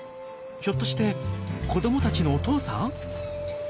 ひょっとして子どもたちのお父さん？